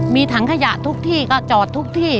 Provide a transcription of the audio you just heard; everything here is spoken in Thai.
มีถังขยะทุกที่ก็จอดทุกที่